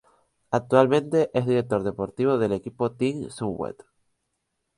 Actualmente, es director deportivo del equipo Team Sunweb.